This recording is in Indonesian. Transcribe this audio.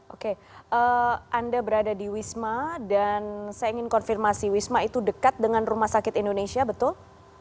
oke anda berada di wisma dan saya ingin konfirmasi wisma itu dekat dengan rumah sakit indonesia betul